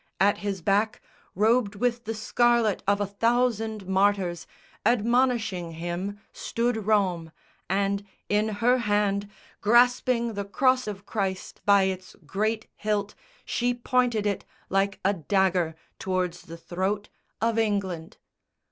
At his back, Robed with the scarlet of a thousand martyrs, Admonishing him, stood Rome, and, in her hand, Grasping the Cross of Christ by its great hilt, She pointed it, like a dagger, tow'rds the throat Of England.